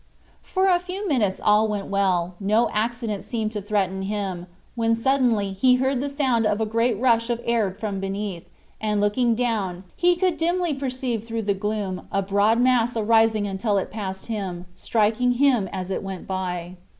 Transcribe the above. For a few minutes all went well, no accident seemed to threaten him, when suddenly he heard the sound of a great rush of air from beneath; and, looking down, he could dimly perceive through the gloom a broad mass arising until it passed him, striking him as it went by.